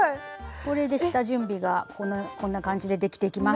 これで下準備がこんな感じでできていきます。